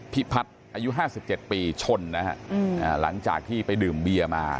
ผิดพัดอายุห้าสิบเจ็ดปีชนนะฮะอืมอ่าหลังจากที่ไปดื่มเบียมา